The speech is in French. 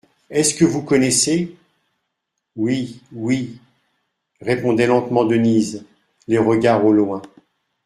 Est-ce que vous connaissez ? Oui, oui, répondait lentement Denise, les regards au loin.